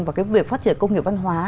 vào cái việc phát triển công nghiệp văn hóa